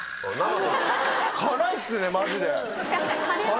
辛いっすねマジで辛い！